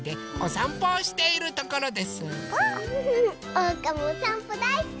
おうかもおさんぽだいすき！